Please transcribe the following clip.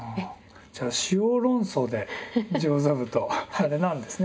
じゃあ「塩論争」で上座部とあれなんですね